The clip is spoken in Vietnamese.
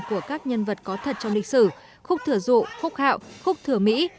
của các nhân vật có thật trong lịch sử khúc thừa dụ khúc hạo khúc thừa mỹ